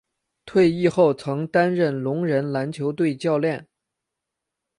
退役后曾担任聋人篮球队教练。